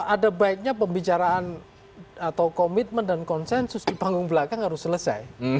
ada baiknya pembicaraan atau komitmen dan konsensus di panggung belakang harus selesai